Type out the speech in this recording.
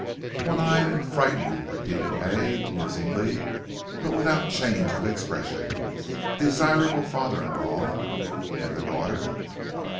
"One eyed and frightened," repeated Hay, musingly, but without change of expression; "desirable father in law. And the daughter?"